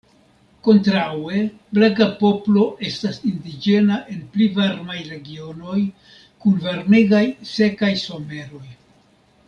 Kontraŭe, blanka poplo estas indiĝena en pli varmaj regionoj, kun varmegaj, sekaj someroj.